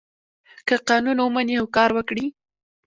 که قانون ومني او کار وکړي.